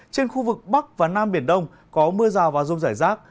trên khu vực bắc và nam biển đông có mưa rào và rông rải rác